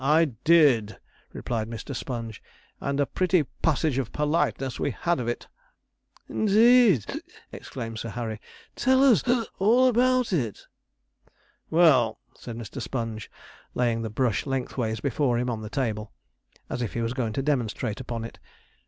'I did,' replied Mr. Sponge; 'and a pretty passage of politeness we had of it.' 'Indeed!' exclaimed Sir Harry. 'Tell us all about it.' 'Well,' said Mr. Sponge, laying the brush lengthways before him on the table, as if he was going to demonstrate upon it.